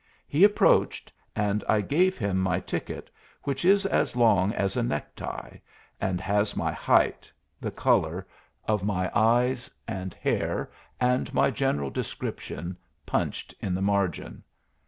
He approached, and I gave him my ticket, which is as long as a neck tie, and has my height, the color of my eyes and hair, and my general description, punched in the margin.